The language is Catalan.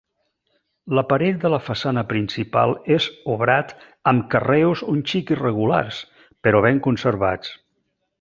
L'aparell de la façana principal és obrat amb carreus un xic irregulars, però ben conservats.